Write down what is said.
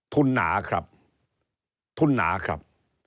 หนาครับทุนหนาครับ